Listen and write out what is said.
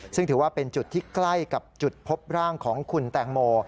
ซึ่งถือว่าเป็นจุดที่ใกล้กับจุดพบร่างของคุณแตงโม